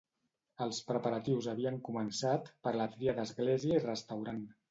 Els preparatius havien començat per la tria d'església i restaurant.